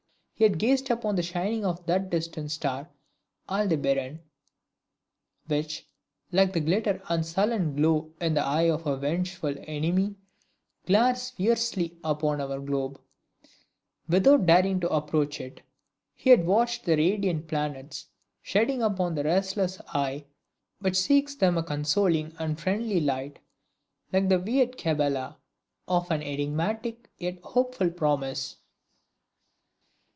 He had gazed upon the shining of that distant star, Aldebaran, which, like the glitter and sullen glow in the eye of a vengeful enemy, glares fiercely upon our globe, without daring to approach it. He had watched the radiant planets shedding upon the restless eye which seeks them a consoling and friendly light, like the weird cabala of an enigmatic yet hopeful promise.